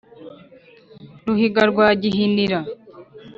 ruhiga rwa gihinira